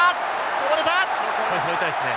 これ拾いたいですね。